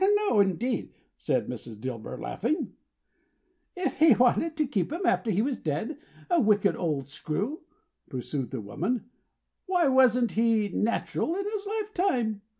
"No, indeed," said Mrs. Dilber, laughing. "If he wanted to keep 'em after he was dead, a wicked old screw," pursued the woman, "why wasn't he natural in his lifetime?